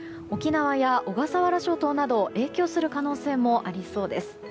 沖縄や小笠原諸島などに影響する可能性もありそうです。